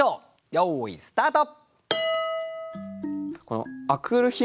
よーいスタート！